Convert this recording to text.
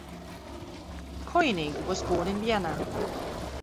Koinigg was born in Vienna.